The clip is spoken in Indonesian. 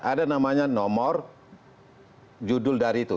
ada namanya nomor judul dari itu